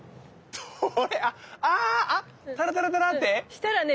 したらね